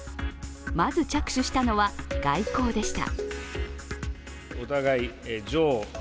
まず着手したのは外交でした。